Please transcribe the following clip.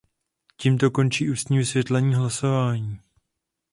Tímto končí ústní vysvětlení hlasování.